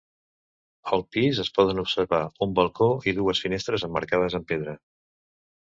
Al pis es poden observar un balcó i dues finestres emmarcades amb pedra.